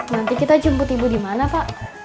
nanti kita jemput ibu dimana pak